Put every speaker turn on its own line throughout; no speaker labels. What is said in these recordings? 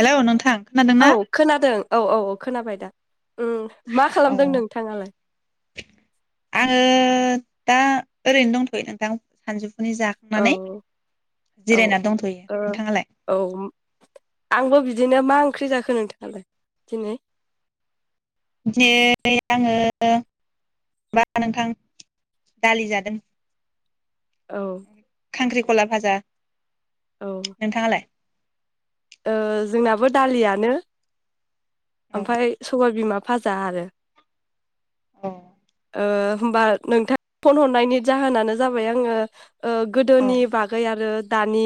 Hello नोंथां
औ
खोनादोंना?
खोनादों औ औ औ खोनाबाय। उम मा खालामदों
आङो
नोंथाङालाय
दा ओरैनो दंथयो नोंथां सानजु
औ औ
जिरायनानै दंथ'यो नोंथाङालाय?
औ आंबो बिदिनो मा ओंख्रि जाखो नोंथाङालाय? दिनै
दिनै आङो माबा नोंथां दालि जादों।
औ
खला भाजा।
औ
नोंथाङालाय?
ओ जोंनाबो दालियानो।
औ
ओमफाय सबाइ बिमा भाजा आरो।
औ
ओ होमबा नोंथां फन हरनायनि जाहोनानो जाबाय आङो ओ गोदोनि
औ
बागै आरो दानि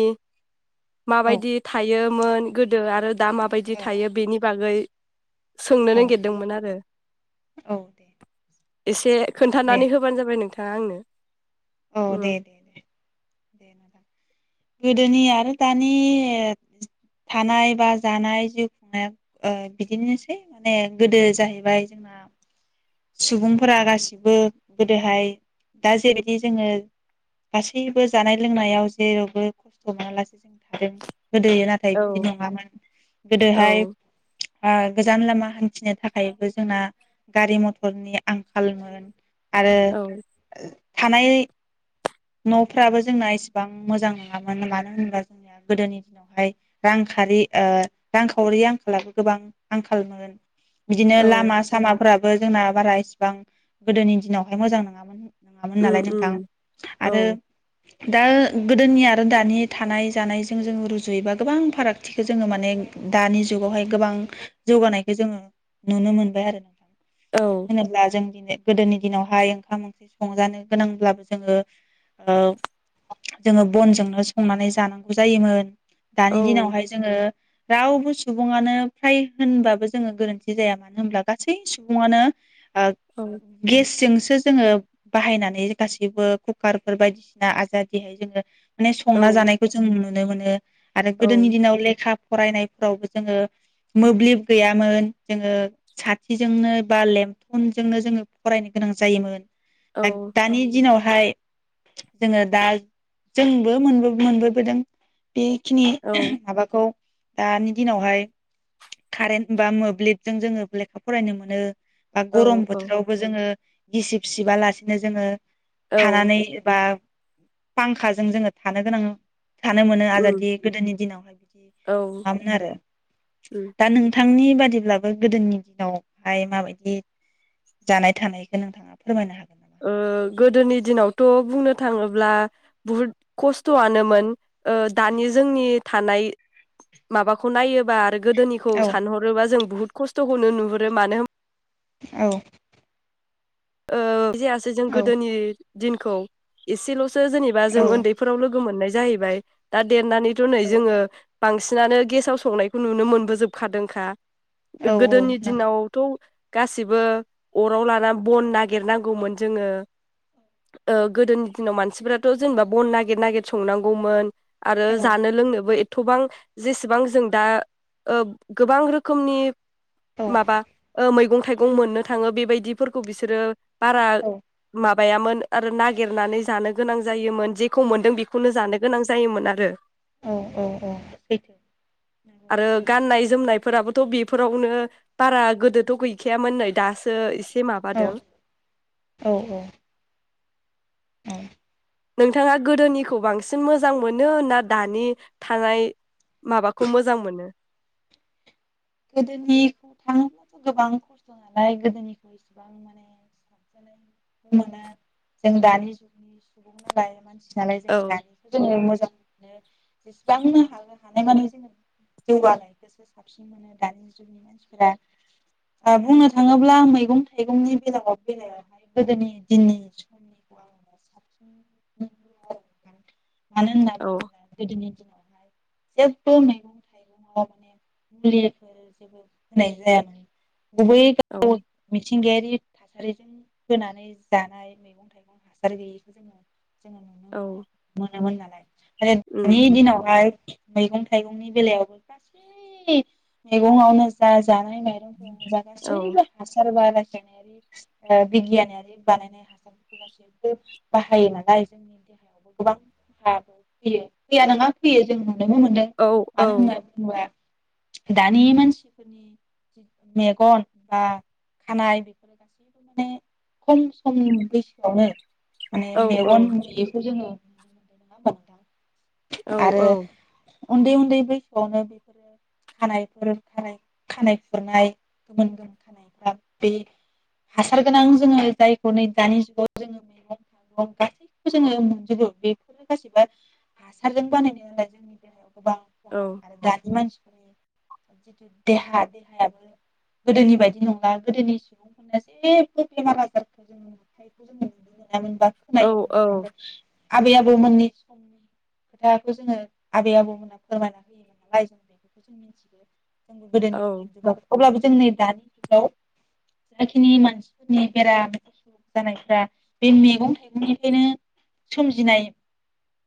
माबायदि थायो मोन गोद दो आरो दा माबायदि थायो बेनि बागै सोंनो
औ
नागिरदोंमोन आरो।
औ दे
एसे
दे
खोन्थानानै होबानो जाबाय नोंथा [unintelligible]
औ दे दे दे। गोदोनि आरो दानि ओ थानाय बा जानाय जिउ खुंनाया बिदिनोसै माने गोदो जाहैबाय सुबुंफोरा गासिबो गोदोहाय दा जेबायदि जोङो गासैबो जानाय लोंनायाव जेरावबो खस्थ मोनालासे थादों। गोदोयो नाथाय बिदि
औ
नङामोन गोदोहाय
औ
ओ गोजान लामा हान्थिनो थाखायबो जोंना गारि मथर खरनि आंखालमोन? आरो
औ
थानाय नफ्राबो जोंना एसेबां मोजां नङामोन मानो होनोब्ला जोंनिया गोदोनि दिनावहाय रांखारि ओ रांखावरि आंखालाबो गोबां आंखालमोन। बिदिनो
औ
लामा सामा फोराबो जोंना बारा इसिबां गोदोनि दिनावहाय मोजां नङामोन। नङामोन
उम
नालाय नोंथां
उम औ
आरो दा गोदोनि आरो दानि थानाय जानायजों जोङो रुजुयोबा गोबां फारागथिखौ जोङो माने दानि जुगावहाय गोबां जौगानायखौ जोङो नुनो मोनबाय आरो।
औ
होनोब्ला जों गोदोनि दिनावहाय ओंखाम ओंख्रि संजानो गोनांब्लाबो जोङो ओ जोङो बनजोंनो संनानै जानांगौ जायोमोन।
औ
दानि दिनावहाय जोङो रावबो सुबुङानो फ्राय होनबाबो जोङो गोरोन्थि जाया मानो होनब्ला गासै सुबुङानो। ओ
औ
गेसजोंसो जोङो बाहायनानै गासैबो कुकारफोर बायदिसिना आजादिहाय जोङो माने
औ
संना जानायखौ जों नु नुनो मोनो। आरो गोदोनि दिनाव लेखा फरायनायफोरावबो जोङो मोब्लिब गैयामोन जोङो साथिजोंनो बा लेम थनजोंनो जोङो फरायनो गोनां जायोमोन।
औ
दा दानि दिनाव ओमफ्राय जोङो दा जोंबो मोनबो मोनबोबोदों। बेखिनि
औ
माबाखौ दानि दिनावहाय कारेन्ट बा मोब्लिबजों जोङो लेखा फरायनो मोनो। बा
औ
गरम बोथोरावबो जोङो गिसिब सिबा लासिनो जोङो थानानै बा फांखाजों जोङो थानो गोनां थानो मोनो
उम
आजादि गोदोनि दिनावहाय बिदि
औ
नङामोन आरो
उम
दा नोंथांनि बादिब्लाबो गोदोनि दिनावहाय माबायदि जानाय थानायखौ नोंथाङा फोरमायनो हागोन नामा?
ओ गोदोनि दिनावथ बुंनो थाङोब्ला बुहुद खस्थआानोमोन ओ दानि जोंनि थानाय माबाखौ नायोबा गोदोनिखौ
औ
सानहरोबा जों बुहुत खस्थखौनो नुहुरो मानो होम
औ
[unintelligible] जायासै जों
औ
गोदोनि दिनखौ एसेलस सो जेनेबा जों उन्दैफोराव लोगो मोननाय जाहैबाय दा देरनानैथ नै
औ
जोङो बांसिनानो गेसाव संनायखौ नुनो मोनबोजोबखादोंखा।
औ औ
गोदोनि
नंगौ
दिनावथ गासिबो अराव लाना बन नागिरनांगौमोन जोङो ओ गोदोनि दिनाव मानसिफोराथ जेनेबा बन नागिर नागिर संनांगौमोन। आरो
औ
जानो लोंनोबो थबां जेसेबां जों दा ओ गोबां रोखोमनि
औ
माबा ओ मैंगं थाइगं मोननो थाङो बेबायदि फोरखौ बिसोरो बारा माब
औ
माबायामोन आरो नागिरनानै जानो गोनां जायोमोन जेखौ मोनदों बेखौनो जानो गोनां जायोमोन आरो।
औ औ सैथो
[inaudible] आरो गाननाय जोमनाय फोराबोथ बेफोरावनो बारा गोदोथ गैखायामोन नै दोसो एसे
औ
माबादों
औ औ औ
नोंथाङा गोदोनिखौ बांसिन मोजां मोनो ना दानि थानाय माबाखौ मोजां मोनो?
गोदोनिखौ थाङोब्ला गोबां खस्थ नालाय गोदोनिखौ इसेबां माने साबजानायखौ मोना जों दानि जुगनि सुबुं नालाय मानसि नालाय
औ
जोङो दानिखौ [unintelligible] बिसिबांनो हागोन थानो माने जोङो जौगानायखौसो साबसिन मोनो। बुंनो थाङोब्ला मैगं थाइगंनि बेलायावाव बेलायावहाय गोदोनि दिननि समनि मानो होनना
औ
बुङोब्ला गोदोनि जेबबो मैगं थाइगंआव मुलि [unintelligible] जायामोन गुबै [unintelligible]
औ
मिथिंगायारि थासारिजों फोनानै जानाय मैगं थाइगं हासार गैयिखौ जोङो जोङो नुनो
औ
मोनो मोनोमोन नालाय आरो
उम
दानि
उम
दिनावहाय मैगं थाइगंनि बेलायावबो गासै मेगंआवनो जा जानाय माइरं [unintelligible]
औ
गासैबो हासार बाराय बिगियानारि ओ बिगियानारि बानायनाय हासारफोरखौ गासैबो बाहायो नालाय जोंनि देहायावबो गोबां खहा फैयो फैया नङा फैयो जों
औ औ
[unintelligible] दानि मानसिफोरनि जि मेगन बा खानाइ बेफोरो गासैबो माने खम सम बैसोआवनो माने
औ
मेगन नुयैखौ जोङो [unintelligible]
औ
आरो
औ
उन्दै उन्दै बैसोआवनो बेफोरो खानायफोर खानाइ खानाइ फुरनाय गोमोन गोमोन खानायफ्रा बे हासार गोनां जोङो जायखौ नै दानि जुगाव जोङो मैगं थाइगं गासैखौबो जोङो मोनजोबो बे गासिबो हासारजों बानायनाय नालाय जोंनि देहायाव [unintelligible]
औ
आरो दानि मानसि [unintelligible] देहा देहायाबो गोदोनि बायदि नंला गोदोनि सुबुंफोरना जेबो बेमार आजारखौ जों अन्थाइखौ जों नुनो
औ
मोनामोन [unintelligible] आबै आबो [unintelligible] खोथाखौ जोङो आबै आबौमोना फोरमायना होयोमोन नालाय जों बेफोरखौ जों मोनथियो
औ
[unintelligible] जोंनि दानि जुगाव जाखिनि मानसिफोरनि बेराम जानायफोरा बे मेगं थाइगंनिफ्रायनो सोमजिनाय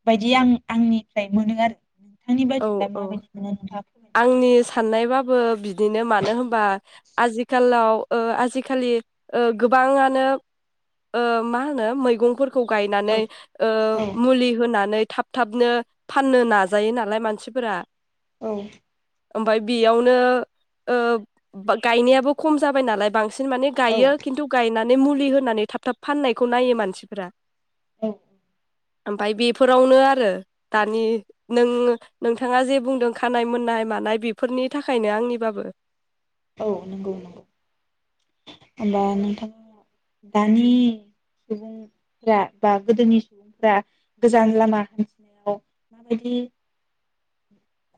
बायदि आं आंनिफ्राय मोनो आरो नोंथांनि
औ
बायदिब्ला
औ
माबायदि मोनो नोंथाङा फोरमायनो हागोन
आंनि
नामा?
साननायबा बो बिदिनो मानो होनबा आजिखालाव ओ आजिखालि ओ गोबाङानो ओ मा होनो मैगंफोर खौ
औ
गायनानै ओ
औ
मुलि होनानै थाब थाबनो फाननो नाजायोना लाय मानसिफोरा
औ
ओमफाय बेयावनो ओ अब गायनायाबो खम जाबाय नालाय बां सिन माने गायो
औ
खिन्थु गायना नै मुलि होनानै थाब थाब फाननायखौ नायो मानसिफोरा
औ
ओमफाय बेफोरावनो आरो दानि नों नोंथाङा जे बुंदों खानाय मोननाय मानाय बेफोरनि थाखायनो आंनिबाबो
औ नंगौ नंगौ होमबा नोंथाङा दानि सुबुंफोरा बा गोदोनि सुबुंफोरा गोजान लामा हान्थिनायाव माबायदि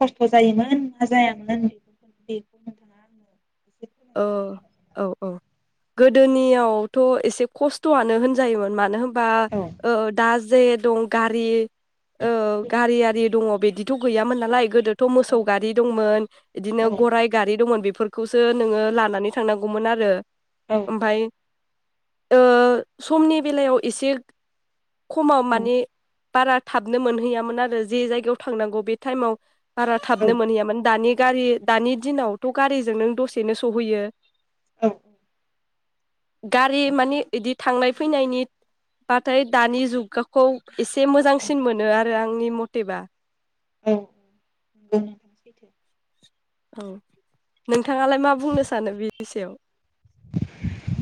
खस्थ' जायोमोन ना जायामोन बेफोर बादि [unintelligible]
ओ
[unintelligible]
औ औ गोदोनियावथ' एसे खस्थ'आनो होनजायोमोन मानो होन बा
औ
ओ दा ज जे दं गारि औ गारि आरि दङ बिदि थ' गैयामोन नालाय गोदो थ'
औ
मोसौ गारि दंमोन बिदिनो
औ
गराइ गारि दंमोन बेफोर खौसो नोङो लानानै थांनांगौमोन आरो ओमफाय ओ समनि बेलायाव एसे खमाव माने बारा थाबनो मोनहैयामोन आरो जे जायगायाव थांनांगौ बे थाइमाव बारा
औ
थाबनो मोनहैयामोन दानि गारि दानि दिनावथ' गारिजों नों दसे यैनो सहैयो
औ औ
गारि माने इदि थांनाय फैनायनि बाथाय दानि जुगाखौ एसे
औ
मोजांसिन मोनो आ आरो आंनि मथेबा
औ औ नंगौ सैथो
औ नोंथाङालाय मा बुंनो सानो बेनि सायाव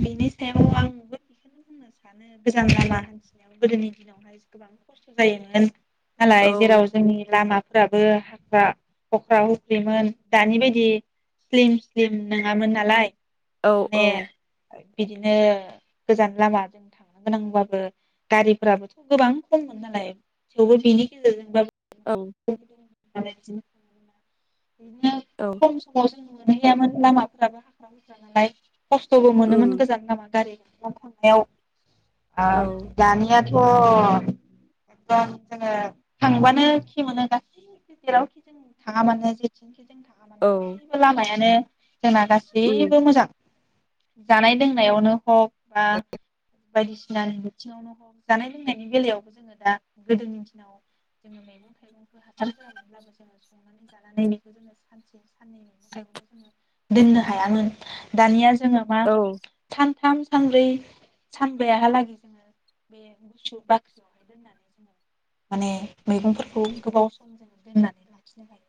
बेनि सायाव आंबो बेखौनो बुंनो सानो गोजान लामा हान्थिनायाव गोदोनि दिनावहाय गोबां खस्थ' जायोमोन मालाय
औ
जेराव जोंनि लामा फोराबो हाग्रा हख्रा हुख्रिमोन दानि बायदि स्लिम स्लिम नोङामोन नालाय
औ
माने
औ
बिदिनो गोजान लामाजों थांनो गोनांबाबो गारिफ्राबोथ' गोबां खममोन नालाय थेवबो बिनि गेजेरजोंबाबो
औ
माने इदिनो बिदिनो
औ
खम समाव जों मोनहैयामोन लामाफ्राबो हाग्रा हुग्रा नालाय खस्थ'बो मोनोमोन
उम
गोजान लामा गारि दा थांनायाव आ
औ
दानिया [unintelligible] एदम जोङो थांबानो खि मोनो गासै जेरावखि जों थाङा मानो।
औ
[unintelligible] [inaudible] लामायानो जोंना
उम
गासैबो मोजां जानाय लोंनायावनो हक बा बायदिसिनानि बिथिङावनो हग जानाय लोंनायनि बेलायावबो जोङो दा गोदोनि दिनाव जोङो मैगं थाइगंफोर हासार होआमोन जोङो संनानै जानो जों सानसे साननै मैगं थाइगंखौ जोङो दोननो हायामोन दानिया जों जोङो मा
औ
सानथाम सानब्रै सानबायाहालागै जोङो बे गुसु बाख्रियावहाय दोननानै जोङो माने मैगंफोरखौ गोबाव सम जोङो दोननानै लाखिनो हायो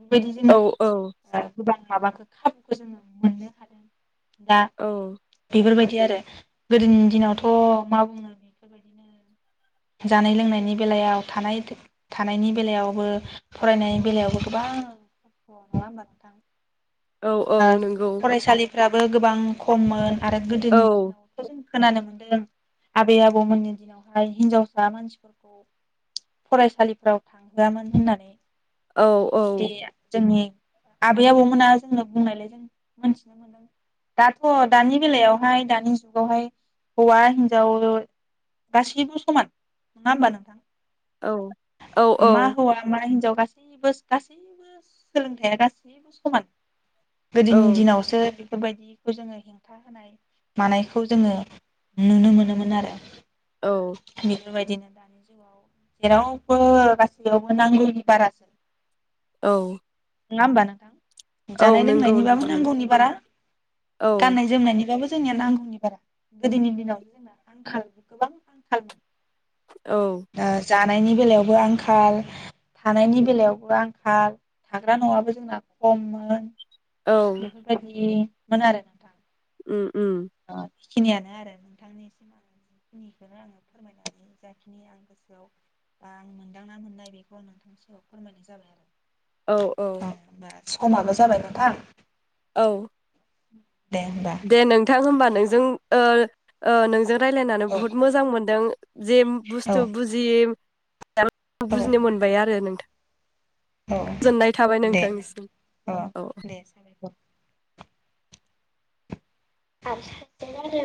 बेबायदि जोङो
औ औ
गोबां माबाखौ खाबुखौ जोङो मोननो हादों दा
औ
बेफोरबायदि बि आरो गोदोनि दिनावथ' मा बुंनो बेफोरबायदि जानाय लोंनायनि बेलायाव थानाय थानायनि बेलायावबो फरायनायनि बेलायावबो गोबां खस्थ' नङा होमबा नोंथां
औ औ नंगौ
फ्राबो गोबां खममोन आरो
औ
गोदोनि दिनावथ' जों खोनानो मोनदों आबै आबौमोननि दिनावहाय हिनजाव सा मानसिफोरखौ फरायसालिफ्राव थांहोआमोन होननानै
औ औ
बिदि जोंनि आबै आबौमोना जोंनो बुंनायलाय जों मोनथिनो मोनदों दाथ' दानि बेलायावहाय दानि जुगावहाय हौवा हिनजाव ओ गासैबो समान नङा होमबा नोंथां
औ औ औ
मा हौवा मा हिनजाव गासैबो गासैबो सोलोंथाइया गासैबो समान
औ
गोदोनि दिनावसो बेफोरबायदिखौ जोङो हेंथा होनाय मानायखौ जोङो नुनो मोनोमोन आरो
औ
बेबायदिनो दानि जुगाव जेरावबो गासैयावबो नांगौनि बारासो
औ
नङा होनबा नोंथां
औ
जानाय
नंगौ
लोंनायनिबाबो
नंगौ
नांगौनि बारा
औ
गाननाय जोमनायनिबाबो जोंनिया नांगौनि बारा गोदोनि दिनाव जोंना आंखाल गोबां आंखालमोन
औ
दा जानायनि बेलायावबो आंखाल थानायनि बेलायावबो आंखाल थाग्रा न'आबो जोंना खममोन
औ
बेफोर बायदि मोन आरो नोंथां।
उम उम
ओ बेखिनियानो आरो नोंथांनिसिमां जिखिनिखौनो आङो फोरमायनानै जाखिनि आं गोसोआव बा आं मोनदांना मोननाय बेखौ आं नोंथांनि सगायाव फोरमायनाय जाबाय आरो।
औ औ
समाबो जाबाय नोंथां।
औ
[inaudible]
दे नोंथां होमबा नोंजों ओ ओ नोंजों रायलायनानै
औ
बुहुत मोजां मोनदों। जे
औ
बुस्थु बुजि [unintelligible]
औ
बुजिनो मोनबाय आरो नोंथा
औ दे
नोंथांनिसिम
औ दे साबायखर। [unintelligible]